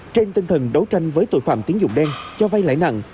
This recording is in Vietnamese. trên tinh thần đấu tranh với tội phạm tín dụng đen cho vay lãi nặng